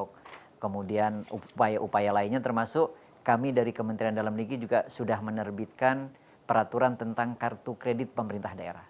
seperti kartu kodaring e katalog kemudian upaya upaya lainnya termasuk kami dari kementerian dalam liki juga sudah menerbitkan peraturan tentang kartu kredit pemerintah daerah